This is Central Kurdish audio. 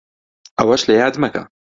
ئەوەش لەیاد مەکە